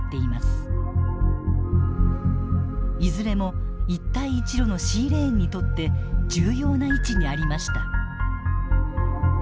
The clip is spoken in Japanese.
いずれも一帯一路のシーレーンにとって重要な位置にありました。